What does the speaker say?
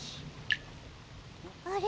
あれ？